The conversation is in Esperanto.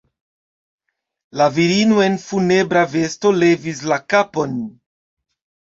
La virino en funebra vesto levis la kapon.